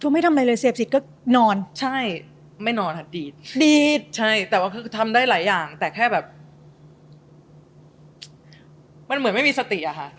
ไม่ทับมาเลยเสบทริกก็นอนไม่นอนใช่แต่แบบมันเหมือนไม่มีสติ